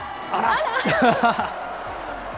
あら。